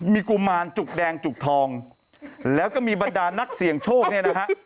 มีกุมารจุกแดงจุกทองแล้วก็มีบรรดานักเสี่ยงโชคเนี่ยนะฮะ